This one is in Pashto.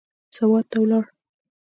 سوات ته ولاړ.